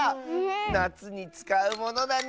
なつにつかうものだね。